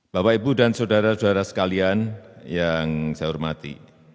bapak ibu dan saudara saudara sekalian yang saya hormati